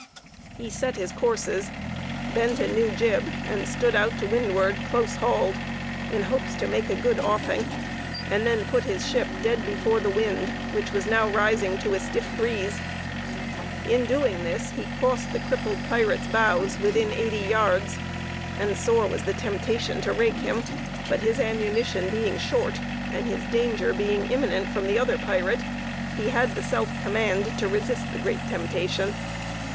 He set his courses, bent a new jib, and stood out to windward close hauled, in hopes to make a good offing, and then put his ship dead before the wind, which was now rising to a stiff breeze. In doing this he crossed the crippled pirate's bows, within eighty yards; and sore was the temptation to rake him; but his ammunition being short, and his danger being imminent from the other pirate, he had the self command to resist the great temptation.